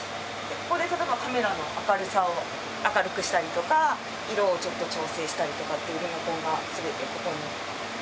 ここで例えばカメラの明るさを明るくしたりとか色をちょっと調整したりとかっていうリモコンが全てここに。